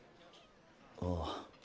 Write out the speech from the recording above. ああ。